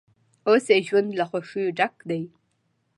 اوس یې ژوند له خوښیو ډک دی.